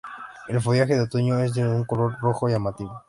El follaje de otoño es de un color rojo llamativo.